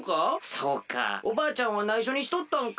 そうかおばあちゃんはないしょにしとったんか。